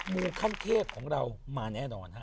หมูค่ำเคศของเรามาแน่นอนฮะ